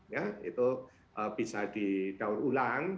ya itu bisa di daur ulang